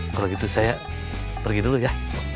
kalau gitu saya pergi dulu ya